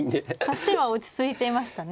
指し手は落ち着いていましたね。